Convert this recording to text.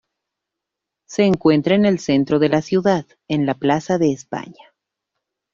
Se encuentra en el centro de la ciudad, en la plaza de España.